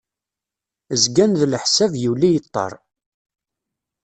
Zgan d leḥsab yuli yeṭṭer.